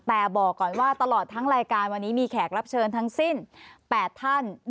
แต่บอกก่อนว่าตลอดทั้งรายการวันนี้มีแขกรับเชิญทั้งสิ้น๘ท่าน